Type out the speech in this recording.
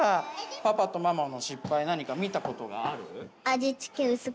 パパとママの失敗何か見たことがある？